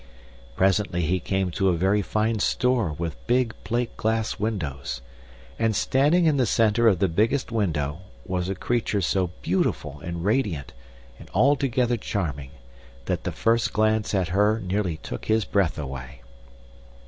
Presently he came to a very fine store with big plate glass windows, and standing in the center of the biggest window was a creature so beautiful and radiant and altogether charming that the first glance at her nearly took his breath away.